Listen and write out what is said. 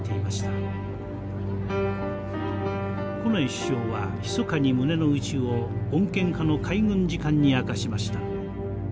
近衛首相はひそかに胸の内を穏健派の海軍次官に明かしました。